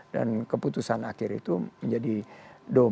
dan keputusan akhir itu menjadi domain dan ranah keputusan yang akan diperoleh